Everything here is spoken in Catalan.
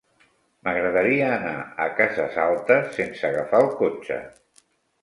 M'agradaria anar a Cases Altes sense agafar el cotxe.